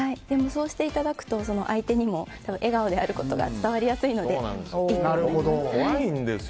そうしていただくと相手にも笑顔であることが伝わりやすいのでいいと思います。